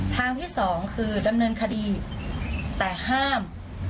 ทางที่สองคือดำเนินคดีแต่ห้าม